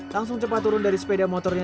langsung cepat turun dari sepeda motornya